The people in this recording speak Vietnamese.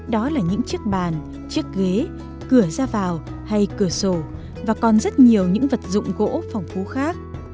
đó là những chiếc bàn chiếc ghế cửa ra vào hay cửa sổ và còn rất nhiều những vật dụng gỗ phong phú khác